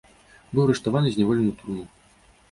Быў арыштаваны і зняволены ў турму.